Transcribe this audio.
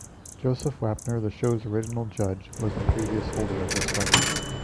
Joseph Wapner, the show's original judge, was the previous holder of this record.